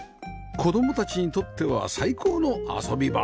子供たちにとっては最高の遊び場